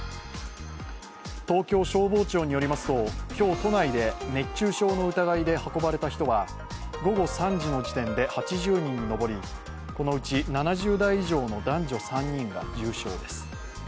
東京消防庁によりますと、今日都内で熱中症の疑いで運ばれた人は午後３時の時点で８０人に上り、このうち７０代以上の男女３人が重症です。